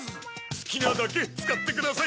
好きなだけつかってください。